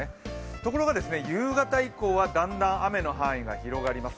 ところが、夕方以降はだんだん雨の範囲が広がります。